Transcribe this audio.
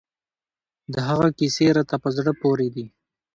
د هغه کیسې راته په زړه پورې دي.